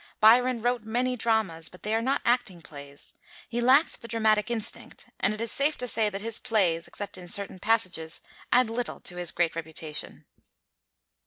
Byron wrote many dramas, but they are not acting plays. He lacked the dramatic instinct, and it is safe to say that his plays, except in certain passages, add little to his great reputation.